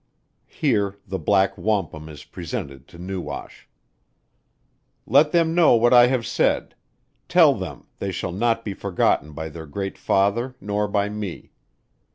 (Here the black wampum is presented to NEWASH.) Let them know what I have said. Tell them they shall not be forgotten by their great father nor by me.